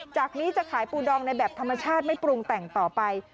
จากนี้จะขายปูดองในแบบธรรมชาติไม่ปรุงแต่งต่อไป